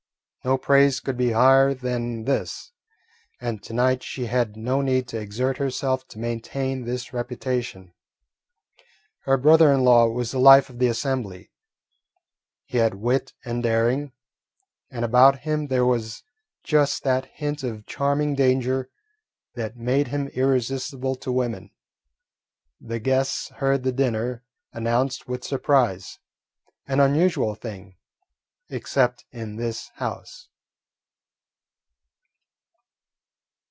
No praise could be higher than this, and to night she had no need to exert herself to maintain this reputation. Her brother in law was the life of the assembly; he had wit and daring, and about him there was just that hint of charming danger that made him irresistible to women. The guests heard the dinner announced with surprise, an unusual thing, except in this house.